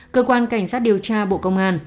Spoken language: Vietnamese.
cơ quan cảnh sát điều tra bộ công an